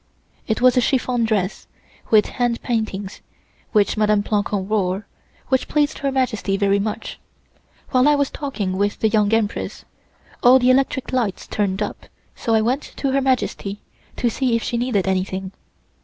'" It was a chiffon dress, with hand paintings, which Mdme. Plancon wore, which pleased Her Majesty very much. While I was talking with the Young Empress all the electric lights turned up, so I went to Her Majesty to see if she needed anything.